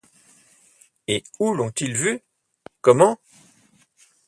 Et où l’ont-ils vue? comment ?